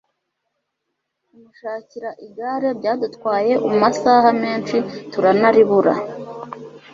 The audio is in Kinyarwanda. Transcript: kumushakira igare byadutwaye umasaha menshi turanaribura.